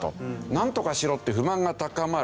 なんとかしろって不満が高まる。